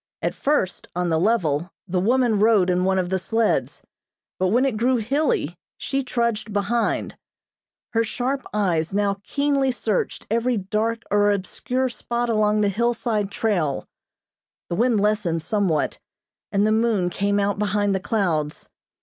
At first, on the level, the woman rode in one of the sleds, but when it grew hilly, she trudged behind. Her sharp eyes now keenly searched every dark or obscure spot along the hillside trail. The wind lessened somewhat, and the moon came out behind the clouds.